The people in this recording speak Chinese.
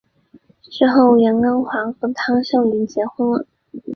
之后杨棣华和汤秀云结婚了。